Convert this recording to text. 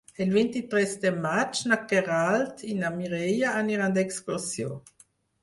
El vint-i-tres de maig na Queralt i na Mireia aniran d'excursió.